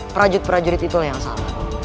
prajurit prajurit itulah yang salah